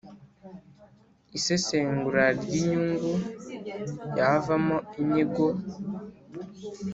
isesengura ry inyungu yavamo inyigo